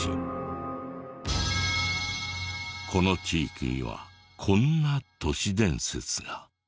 この地域にはこんな都市伝説が。